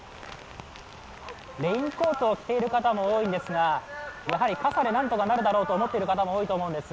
レインコートを着ている方も多いんですが、傘でなんとかなるだろうと思っている方も多いと思うんです。